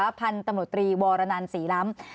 ทางประกอบภัณฑ์ตำรุตรีวราณาลสีล้ำ